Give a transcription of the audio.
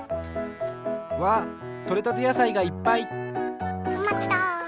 わあっとれたてやさいがいっぱい！とまと！